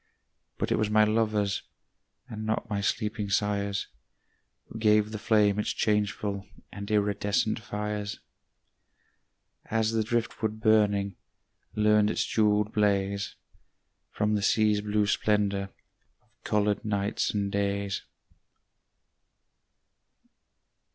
But it was my lovers, And not my sleeping sires, Who gave the flame its changeful And iridescent fires; As the driftwood burning Learned its jewelled blaze From the sea's blue splendor Of colored nights and days.